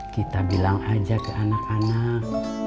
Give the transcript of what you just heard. kita bilang aja ke anak anak